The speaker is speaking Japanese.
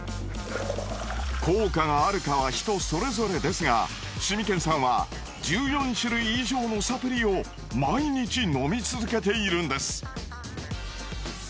効果があるかは人それぞれですがしみけんさんは１４種類以上のサプリを毎日飲み続けているんです。